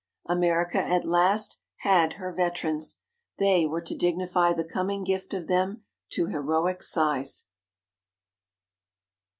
America at last had her veterans. They were to dignify the coming gift of them to heroic size.